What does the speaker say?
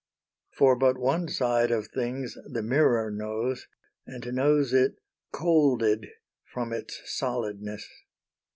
For but one side of things the mirror knows, And knows it colded from its solidness.